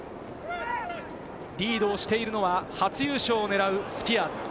リードをしているのは初優勝を狙うスピアーズ。